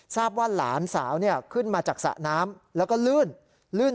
ทราบว่าหลานสาวขึ้นมาจากสระน้ำแล้วก็ลื่นลื่น